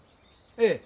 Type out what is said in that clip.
ええ。